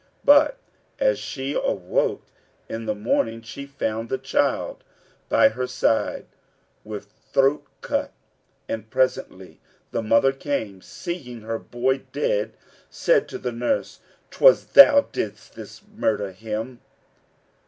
But as she awoke in the morning, she found the child by her side with throat cut; and presently the mother came and seeing her boy dead, said to the nurse, "Twas thou didst murther him."